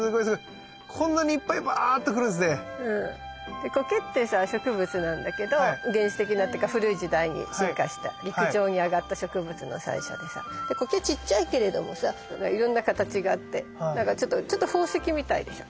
でコケってさ植物なんだけど原始的なっていうか古い時代に進化した陸上に上がった植物の最初でさコケちっちゃいけれどもさいろんな形があってなんかちょっと宝石みたいでしょ。